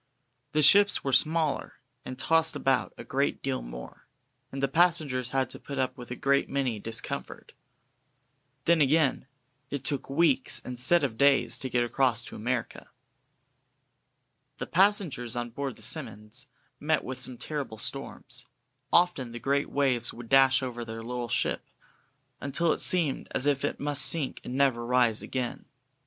The ships were much smaller, and tossed about a great deal more, and the passengers had to put up with a great many discomforts. Then again, it took weeks, instead of days, to get across to America. The passengers on board the "Simmonds" met with some terrible storms; often the great waves would dash over their little ship, until it seemed as if it must sink and never rise again.